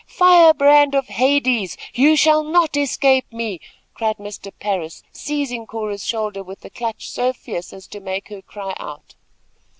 "Fire brand of hades! you shall not escape me," cried Mr. Parris seizing Cora's shoulder with a clutch so fierce as to make her cry out.